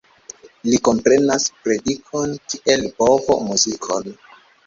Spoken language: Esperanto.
Li komprenas predikon, kiel bovo muzikon.